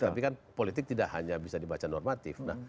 tapi kan politik tidak hanya bisa dibaca normatif